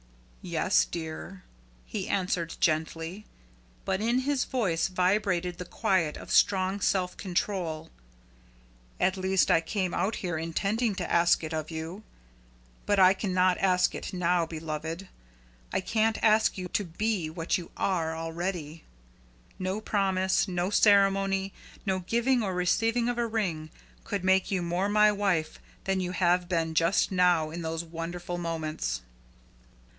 "Yes, dear," he answered, gently; but in his voice vibrated the quiet of strong self control. "At least I came out here intending to ask it of you. But I cannot ask it now, beloved. I can't ask you TO BE what you ARE already. No promise, no ceremony, no giving or receiving of a ring, could make you more my wife than you have been just now in those wonderful moments."